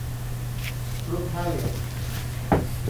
รูปห้าเหลี่ยม